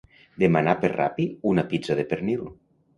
Demanar per Rappi una pizza de pernil.